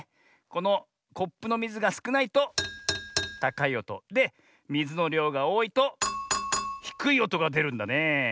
このコップのみずがすくないとたかいおと。でみずのりょうがおおいとひくいおとがでるんだねえ。